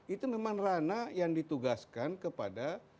itu memang rana yang ditugaskan kepada